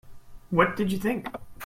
What did you think?